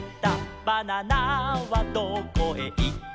「バナナはどこへいったかな」